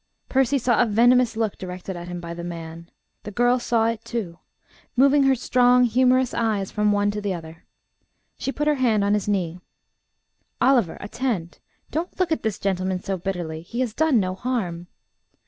Percy saw a venomous look directed at him by the man; the girl saw it too, moving her strong humorous eyes from one to the other. She put her hand on his knee. "Oliver, attend! Don't look at this gentleman so bitterly. He has done no harm."